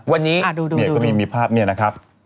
วันนี้ก็มีภาพเนียนะครับ